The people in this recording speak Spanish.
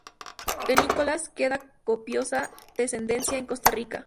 De Nicolás queda copiosa descendencia en Costa Rica.